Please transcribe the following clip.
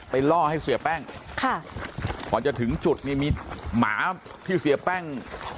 ล่อให้เสียแป้งค่ะพอจะถึงจุดนี่มีหมาที่เสียแป้ง